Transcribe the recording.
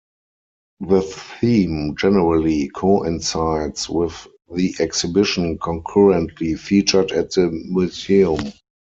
The theme generally coincides with the exhibition concurrently featured at the museum.